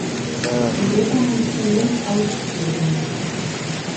Uretan urtzen den hauts zuria da.